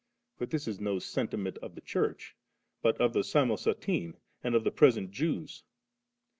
But this is no sentiment of the ChurcL but of the Samosatene and of the present Jews.